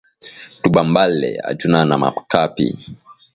Tubambale atuna na ma kapi